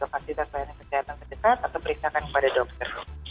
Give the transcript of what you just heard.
pergi ke fasilitas layanan sehat atau periksa kan kepada dokter